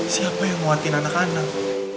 siapa yang nguatin anak anak